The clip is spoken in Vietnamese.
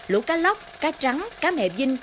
lũ cá lóc cá trắng cá mẹ vinh